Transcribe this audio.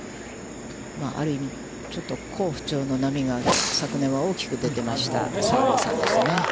ある意味、好不調の波が、昨年は大きく出ていました西郷さんですね。